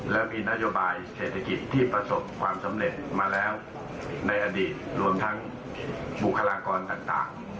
และมีนโยบายเศรษฐกิจที่ประสบความสำเร็จมาแล้วในอดีตรวมทั้งบุคลากรต่าง